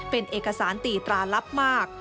เป็นเอกสารตีตราลับมาก